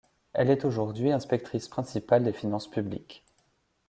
Elle est aujourd'hui inspectrice principale des finances publiques.